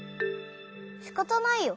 しかたないよ。